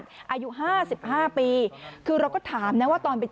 สองสามีภรรยาคู่นี้มีอาชีพ